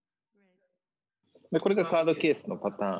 これがカードケースのパターンですね。